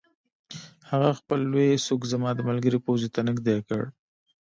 هغه خپل لوی سوک زما د ملګري پوزې ته نږدې کړ